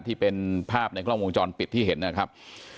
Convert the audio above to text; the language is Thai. ที่เป็นภาพในกล้องวงจรปิดที่เห็นนะครับ